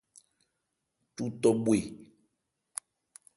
Cu tɔ bhwe.